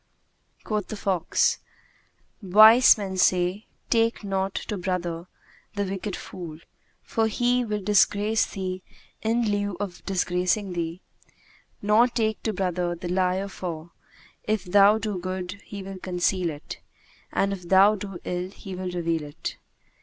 Quoth the fox, "Wise men say, 'Take not to brother the wicked fool, for he will disgrace thee in lieu of gracing thee; nor take to brother the liar for, if thou do good, he will conceal it; and if thou do ill he will reveal it.'